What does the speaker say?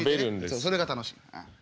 そうそれが楽しい。